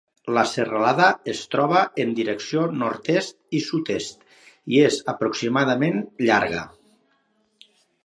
La serralada es troba en direcció nord-est i sud-est, i és aproximadament llarga.